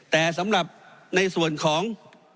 แต่สำหรับในส่วนของ